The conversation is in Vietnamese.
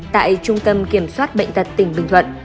tại trung tâm kiểm soát bệnh tật tỉnh bình thuận